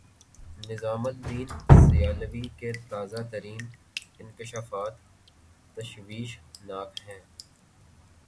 نظام الدین سیالوی کے تازہ ترین انکشافات تشویشناک ہیں۔